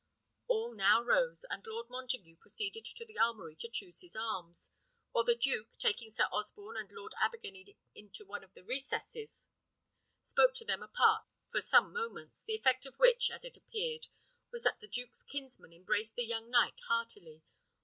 All now rose, and Lord Montague proceeded to the armoury to choose his arms; while the duke, taking Sir Osborne and Lord Abergany into one of the recesses, spoke to them apart for some moments, the effect of which, as it appeared, was, that the duke's kinsman embraced the young knight heartily.